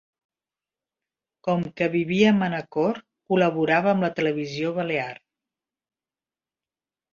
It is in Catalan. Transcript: Com que vivia a Manacor, col·laborava amb la televisió balear.